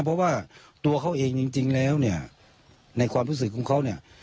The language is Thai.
เพราะว่าตัวเขาเองจริงแล้วเนี่ยในความรู้สึกของเขาเนี่ย